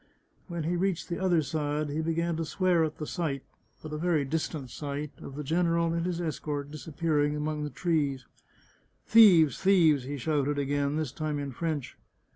When he reached the other side he began to swear again at the sight — but a very distant sight — of the general and his escort disappearing among the trees. " Thieves ! thieves !" he shouted again, this time in French.